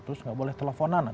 terus enggak boleh teleponan